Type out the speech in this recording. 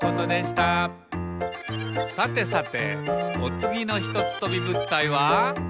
さてさておつぎのひとつとびぶったいは？